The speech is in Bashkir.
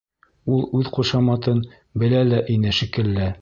Ул үҙ ҡушаматын белә лә ине шикелле.